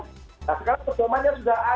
nah sekarang perdomannya sudah ada